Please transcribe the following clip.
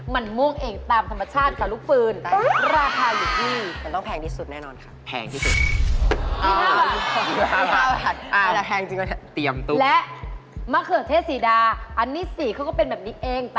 มันม่วงเองตามธรรมชาติจากลูกพื้น